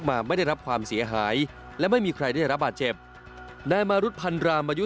ตำรวจท่างิวอำเภอเมืองจังหวัดนครสีธรรมราช